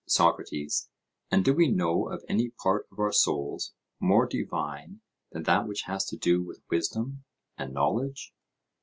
SOCRATES: And do we know of any part of our souls more divine than that which has to do with wisdom and knowledge?